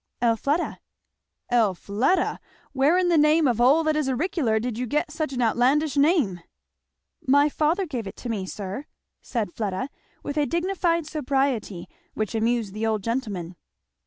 "Elfleda." "Elfleda! Where in the name of all that is auricular did you get such an outlandish name?" "My father gave it to me, sir," said Fleda, with a dignified sobriety which amused the old gentleman.